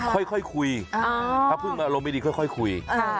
ค่อยคุยถ้าเพิ่งอารมณ์ไม่ดีค่อยคุย